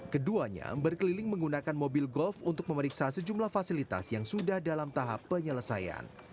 keduanya berkeliling menggunakan mobil golf untuk memeriksa sejumlah fasilitas yang sudah dalam tahap penyelesaian